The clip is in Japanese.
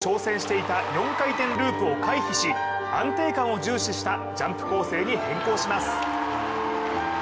フリーでは今シーズン挑戦していた４回転ループを回避し安定感を重視したジャンプ構成に変更します。